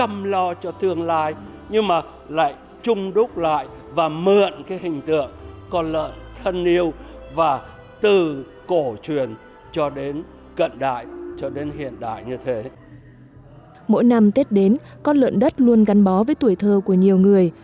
mỗi năm tết đến con lợn đất luôn gắn bó với tuổi thơ của nhiều người